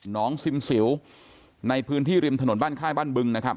น้องซิมสิวในพื้นที่ริมถนนบ้านค่ายบ้านบึงนะครับ